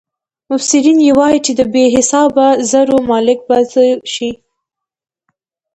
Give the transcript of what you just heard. مبصرین یې وايي چې د بې حسابه زرو مالک به شي.